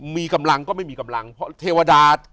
มีกำลังก็ไม่มีกำลังเพราะเทวดา